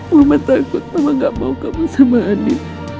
mama takut mama gak mau kamu sama adi